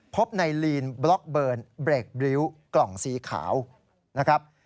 พบในลีนบล็อกเบิร์นเบรกบริ้วกล่องสีขาวนะครับ